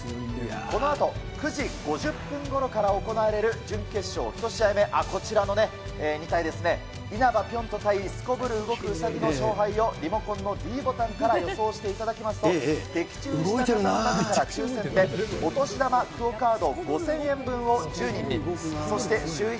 このあと９時５０分ごろから行われる準決勝１試合目、こちら、２体ですね、因幡ぴょん兎対すこぶる動くウサギの勝敗をリモコンのｄボタンから予想していただきますと、的中した方の中から、抽せんでお年玉ＱＵＯカード